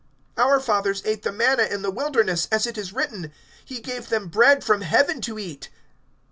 (31)Our fathers ate the manna in the wilderness; as it is written: He gave them bread from heaven to eat.